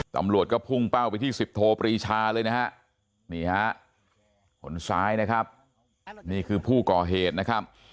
ตำรวจก็พุ่งเป้าไปที่สิบโทปรีชาเลยนะฮะนี่ฮะคนซ้ายนะครับนี่คือผู้ก่อเหตุนะครับ